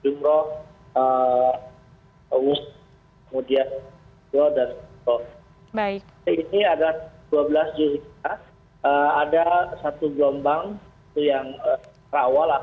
jemaat dikalkan ke jemaat kemudian ke eropa